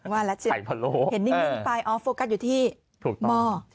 ว่าแล้วที่เห็นนิ่งไปอ๋อโฟกัสอยู่ที่หมอ